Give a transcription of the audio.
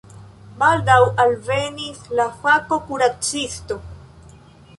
Baldaŭ alvenis la fako-kuracisto.